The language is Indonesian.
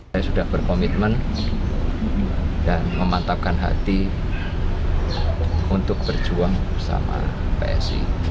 saya sudah berkomitmen dan memantapkan hati untuk berjuang bersama psi